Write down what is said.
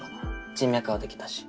人脈はできたし。